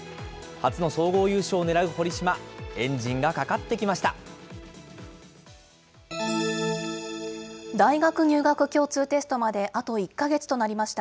初の総合優勝を狙う堀島、エンジンがかかってきました。